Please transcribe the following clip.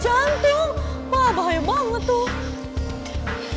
ya udah kita ke rumah